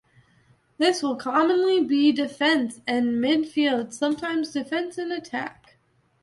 This will commonly be defence and midfield, sometimes defence and attack.